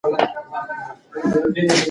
د ټولنې جوړښت ساده نه دی.